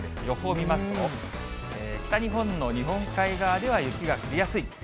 予報見ますと、北日本の日本海側では雪が降りやすい。